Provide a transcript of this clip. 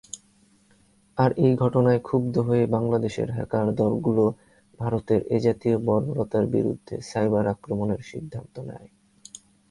আর এই ঘটনায় ক্ষুব্ধ হয়ে বাংলাদেশের হ্যাকার দলগুলো ভারতের এজাতীয় বর্বরতার বিরুদ্ধে সাইবার-আক্রমণের সিদ্ধান্ত নেয়।